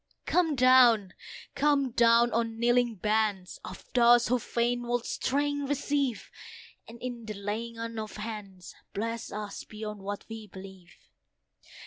Come down! come down! on kneeling bands Of those who fain would strength receive; And in the laying on of hands Bless us beyond what we believe.